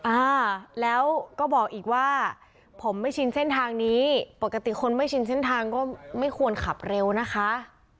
อ่าแล้วก็บอกอีกว่าผมไม่ชินเส้นทางนี้ปกติคนไม่ชินเส้นทางก็ไม่ควรขับเร็วนะคะ